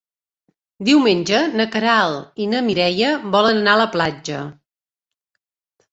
Diumenge na Queralt i na Mireia volen anar a la platja.